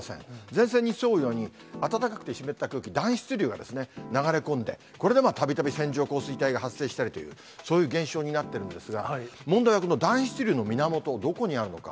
前線に沿うように暖かくて湿った空気、暖湿流が流れ込んで、これでたびたび線状降水帯が発生したりという、そういう現象になってるんですが、問題はこの暖湿流の源、どこにあるのか。